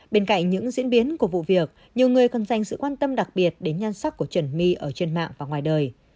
bên cạnh những diễn biến của vụ việc nhiều người còn dành sự quan tâm đặc biệt đến nhan sắc của trần my ở trên mạng và ngoài đời